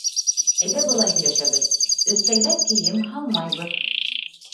Әйҙә былай һөйләшәбеҙ: өҫтәлгә кейем һалмайбыҙ.